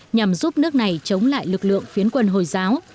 nhằm giúp nước này chống lại lực lượng phiến quân hồi giáo